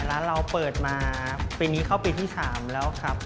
ร้านเราเปิดมาปีนี้เข้าปีที่๓แล้วครับ